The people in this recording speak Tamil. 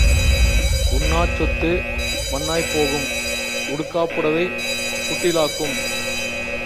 உண்ணாச் சொத்து மண்ணாய்ப் போகும், உடுக்காப் புடைவை புட்டிலாக்கும்.